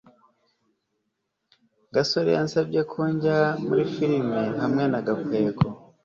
gasore yansabye ko njya muri firime hamwe na gakwego